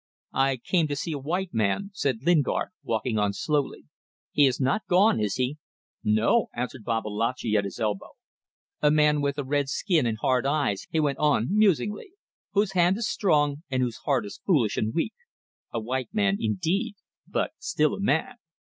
"I came to see a white man," said Lingard, walking on slowly. "He is not gone, is he?" "No!" answered Babalatchi, at his elbow. "A man with a red skin and hard eyes," he went on, musingly, "whose hand is strong, and whose heart is foolish and weak. A white man indeed ... But still a man."